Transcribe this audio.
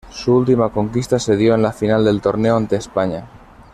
Su última conquista se dio en la final del torneo ante España.